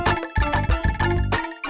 jangan sampai sampai